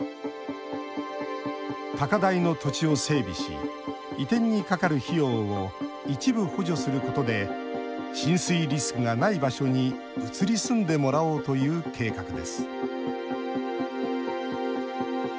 高台の土地を整備し移転にかかる費用を一部補助することで浸水リスクがない場所に移り住んでもらおうという計画です。